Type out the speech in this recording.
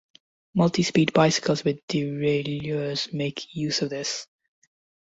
Multi-speed bicycles with derailleurs make use of this.